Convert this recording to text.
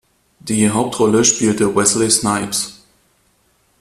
Die Hauptrolle spielte Wesley Snipes.